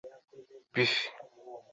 Buffett